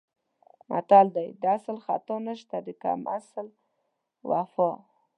متل دی: د اصل خطا نشته د کم اصل وفا.